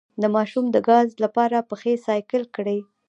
د ماشوم د ګاز لپاره پښې سایکل کړئ